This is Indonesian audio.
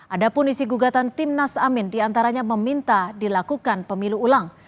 ada pun isi gugatan timnas amin diantaranya meminta dilakukan pemilu ulang